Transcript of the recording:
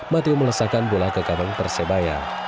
mati oroskan melesakan bola kekabang persebaya